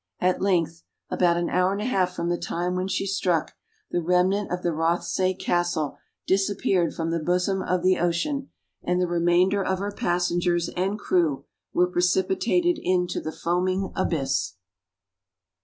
At length, about an hour and a half from the time when she struck, the remnant of the Rothsay Castle disappeared from the bosom of the ocean, and the remainder of her passengers and crew were precipitated into the foaming abyss.